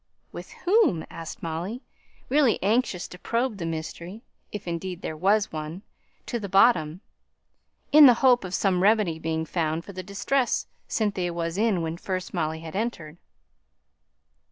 "With whom?" asked Molly, really anxious to probe the mystery if, indeed, there was one to the bottom, in the hope of some remedy being found for the distress Cynthia was in when first Molly entered.